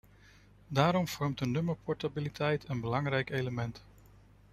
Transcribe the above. Daarom vormt de nummerportabiliteit een belangrijk element.